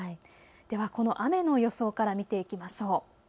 ではこの雨の予想から見ていきましょう。